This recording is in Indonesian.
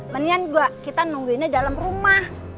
mendingan gue kita nungguinnya dalam rumah